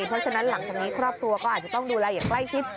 เพราะฉะนั้นหลังจากนี้ครอบครัวก็อาจจะต้องดูแลอย่างใกล้ชิด